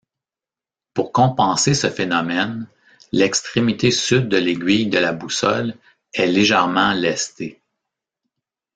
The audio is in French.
Pour compenser ce phénomène, l'extrémité sud de l'aiguille de la boussole est légèrement lestée.